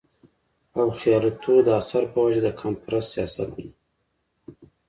او خياالتو د اثر پۀ وجه د قامپرست سياست نه